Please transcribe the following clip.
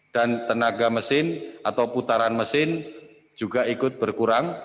dan tenaga mesin atau putaran mesin juga ikut berkurang